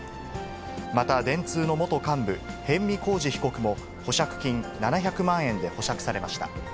また電通の元幹部、逸見晃治被告も、保釈金７００万円で保釈されました。